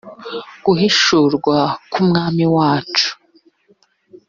guhishurwa k’umwami wacu